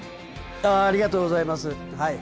ありがとうございます。